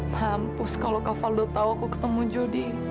mampus kalau kak faldo tau aku ketemu jody